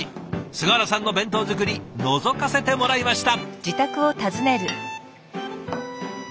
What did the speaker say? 菅原さんの弁当作りのぞかせてもらいました。